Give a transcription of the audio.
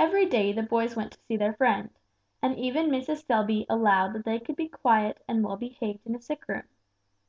Every day the boys went to see their friend, and even Mrs. Selby allowed that they could be quiet and well behaved in a sick room.